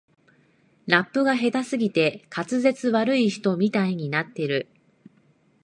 ラップが下手すぎて滑舌悪い人みたいになってる